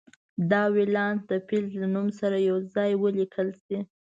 دا ولانس د فلز له نوم سره یو ځای ولیکل شي.